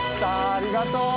ありがとう。